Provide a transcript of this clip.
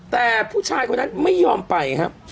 แต่ผู้ชายคนนั้นไม่ยอมไปครับ